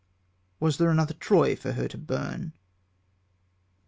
Was there another Troy for her to burn?